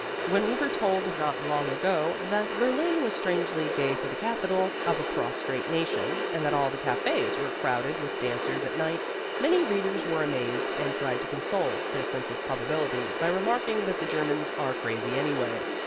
When we were told not long ago that Berlin was strangely gay for the capital of a prostrate nation and that all the cafés were crowded with dancers at night, many readers were amazed and tried to console their sense of probability by remarking that the Germans are crazy anyway.